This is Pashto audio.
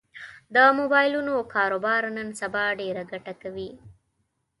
د مبایلونو کاروبار نن سبا ډېره ګټه کوي